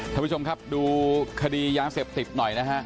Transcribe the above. ท่านผู้ชมครับดูคดียาเสพติดหน่อยนะฮะ